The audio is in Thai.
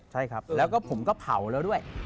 ใช่ครับแล้วก็ผมก็เผาแล้วด้วย